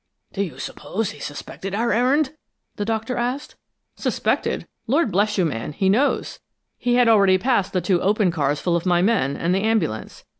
"Do you suppose he suspected our errand?" the Doctor asked. "Suspected? Lord bless you, man, he knows! He had already passed the two open cars full of my men, and the ambulance.